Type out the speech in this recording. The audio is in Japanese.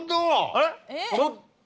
あれ？